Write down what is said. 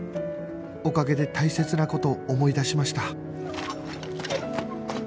おかげで大切な事思い出しました